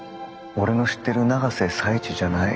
俺の知ってる永瀬財地じゃない。